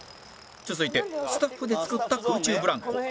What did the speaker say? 続いてスタッフで作った空中ブランコ